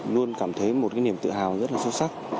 luôn cảm thấy một cái niềm tự hào rất là sâu sắc